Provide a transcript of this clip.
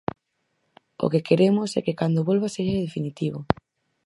O que queremos é que cando volva sexa definitivo.